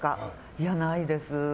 いや、ないです。